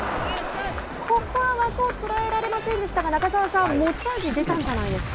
ここは枠を捉えられませんでしたが中澤さん持ち味が出たんじゃないですか。